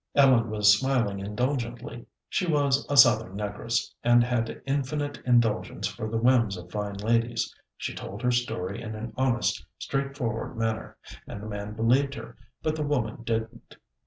Ellen was smiling indulgently. She was a Southern negress, and had infinite indulgence for the whims of fine ladies. She told her story in an honest, straightforward manner, and the man believed her; but the woman didn't.